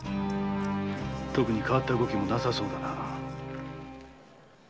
とくに変わった動きもなさそうだな。